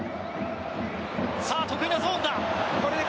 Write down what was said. さあ、得意なゾーンだ。